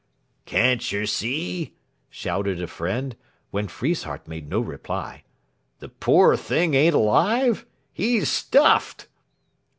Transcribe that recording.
"Can't yer see," shouted a friend, when Friesshardt made no reply, "the pore thing ain't alive? 'E's stuffed!"